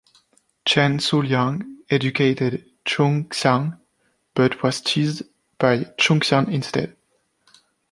Chen Zuiliang educated Chunxiang, but was teased by Chunxiang instead.